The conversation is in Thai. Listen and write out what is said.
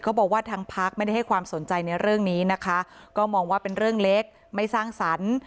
บอกว่าทางพักไม่ได้ให้ความสนใจในเรื่องนี้นะคะก็มองว่าเป็นเรื่องเล็กไม่สร้างสรรค์